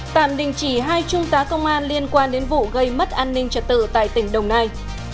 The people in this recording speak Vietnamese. tạm đình chỉ hai trung tá công an liên quan đến vụ gây mất an ninh trật tự tại tỉnh đồng nai